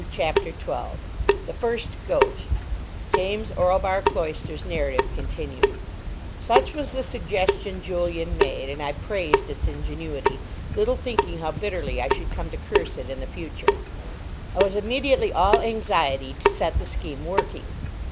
CHAPTER 12 THE FIRST GHOST (James Orlebar Cloyster's narrative continued) Such was the suggestion Julian made; and I praised its ingenuity, little thinking how bitterly I should come to curse it in the future. I was immediately all anxiety to set the scheme working.